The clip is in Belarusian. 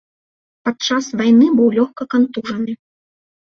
Падчас вайны быў лёгка кантужаны.